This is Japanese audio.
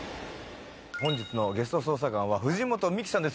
本日のゲスト捜査官は藤本美貴さんです。